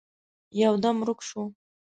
يودم ورک شو.